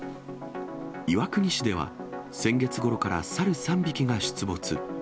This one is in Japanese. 岩国市では、先月ごろから猿３匹が出没。